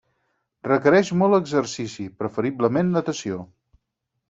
Requereix molt exercici, preferiblement natació.